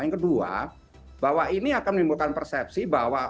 yang kedua bahwa ini akan menimbulkan persepsi bahwa